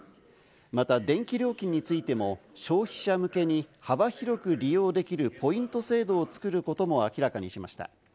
また、電気料金についても消費者向けに幅広く利用できるポイント制度を作ることも明らかにしました。